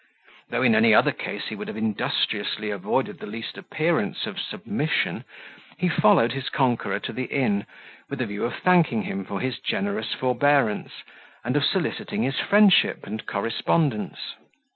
Though in any other case he would have industriously avoided the least appearance of submission, he followed his conqueror to the inn with a view of thanking him for his generous forbearance, and of soliciting his friendship and correspondence.